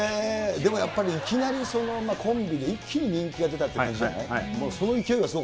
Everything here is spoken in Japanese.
でもやっぱりいきなりコンビで一気に人気が出たって感じじゃない？